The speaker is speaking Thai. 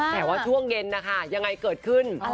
แต่ว่าช่วงเย็นนะคะยังไงเกิดขึ้น